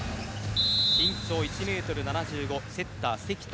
身長１ｍ７５ｃｍセッター、関田。